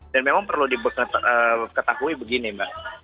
dan memang perlu diketahui begini mbak